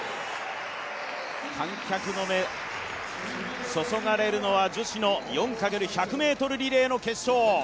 観客の目が注がれるのは女子の４×１００ｍリレーの決勝。